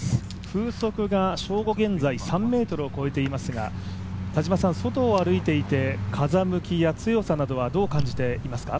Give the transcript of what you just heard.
風速が正午現在３メートルを超えていますが外を歩いていて風向きや強さなどはどう感じていますか？